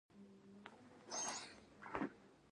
ازادي راډیو د تعلیم په اړه پراخ بحثونه جوړ کړي.